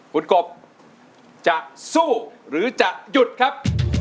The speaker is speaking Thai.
คุณกบจะสู้หรือจะหยุดครับ